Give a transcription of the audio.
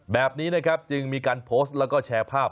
แบบนี้นะครับจึงมีการโพสต์แล้วก็แชร์ภาพ